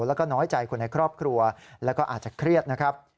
แล้วก็น้อยใจคนในครอบครัวแล้วก็อาจจะเครียดนะครับ